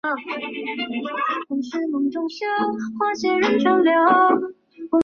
慧科是大中华区的一个收集中文新闻出版物及市场资讯的网上资料库。